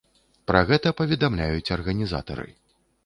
Пра гэта паведамляюць арганізатары.